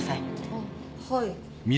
あっはい。